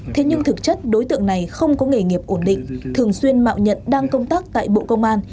thế nhưng thực chất đối tượng này không có nghề nghiệp ổn định thường xuyên mạo nhận đang công tác tại bộ công an